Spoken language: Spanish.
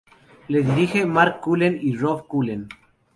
La dirige Mark Cullen y Robb Cullen.